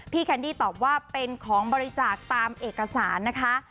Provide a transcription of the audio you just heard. แคนดี้ตอบว่าเป็นของบริจาคตามเอกสารนะคะ